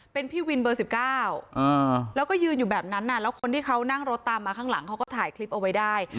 เป็นพี่วินเบอร์๑๙แล้วก็ยืนอยู่แบบนั้นแล้วคนที่เขานั่งรถตามมาข้างหลังเขาก็ถ่ายคลิปเอาไว้ได้